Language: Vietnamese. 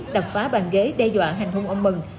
đập phá bàn ghế đe dọa hành hung ông mừng